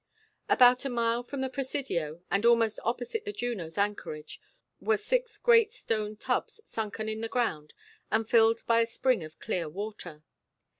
About a mile from the Presidio and almost opposite the Juno's anchorage were six great stone tubs sunken in the ground and filled by a spring of clear water.